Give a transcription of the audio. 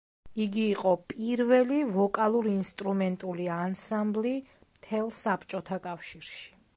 იგი იყო პირველი ვოკალურ-ინსტრუმენტული ანსამბლი მთელ საბჭოთა კავშირში.